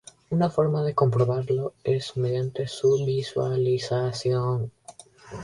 Una forma de comprobarlo es mediante su visualización.